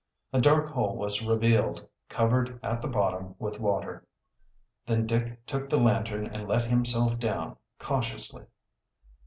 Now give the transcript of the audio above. A dark hole was revealed, covered at the bottom with water. Then Dick took the lantern and let himself down cautiously.